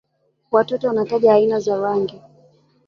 Watoto wanataja aina za rangi